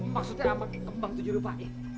maksudnya kembang tujuh rupa